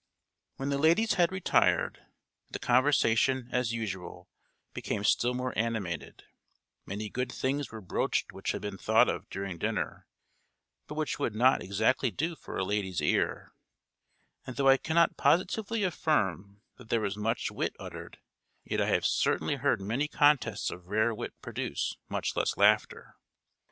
When the ladies had retired, the conversation, as usual, became still more animated; many good things were broached which had been thought of during dinner, but which would not exactly do for a lady's ear; and though I cannot positively affirm that there was much wit uttered, yet I have certainly heard many contests of rare wit produce much less laughter.